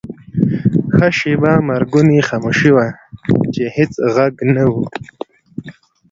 ښه شیبه مرګونې خاموشي وه، چې هېڅ ږغ نه و.